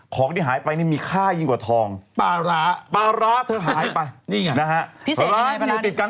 ของที่หายไปนี่มีค่ายิ่งกว่าทองปลาร้าเธอหายไปนะฮะปลาร้าที่มันติดกัน